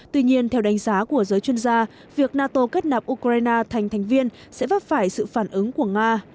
tuy nhiên theo đánh giá của giới chuyên gia việc nato kết nạp ukraine thành thành viên sẽ vấp phải sự phản ứng của nga